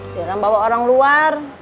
jangan bawa orang luar